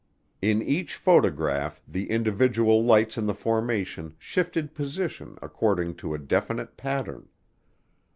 In each photograph the individual lights in the formation shifted position according to a definite pattern.